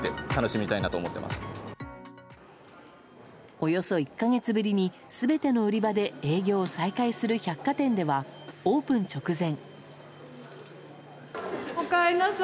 およそ１か月ぶりに全ての売り場で営業を再開する百貨店では、オープン直前。